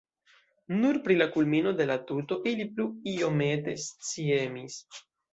Nur pri la kulmino de la tuto ili plu iomete sciemis.